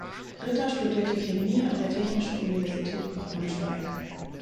Ritter studierte Chemie an der Technischen Universität Braunschweig.